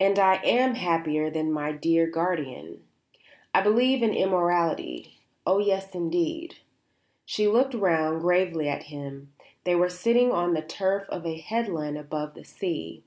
And I am happier than my dear guardian. I believe in immortality; oh yes, indeed." She looked round gravely at him they were sitting on the turf of a headland above the sea.